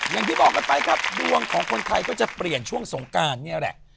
อย่างที่บอกกันไปครับดวงของคนไทยก็จะเปลี่ยนช่วงสงการเนี่ยแหละ